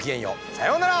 さようなら。